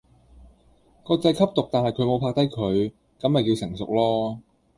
個仔吸毒但係佢無拍低佢，咁咪叫成熟囉